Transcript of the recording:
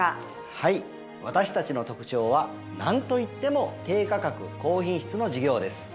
はい私たちの特徴はなんといっても低価格高品質の授業です。